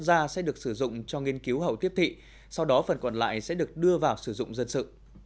ra sẽ được sử dụng cho nghiên cứu hậu tiếp thị sau đó phần còn lại sẽ được đưa vào sử dụng dân sự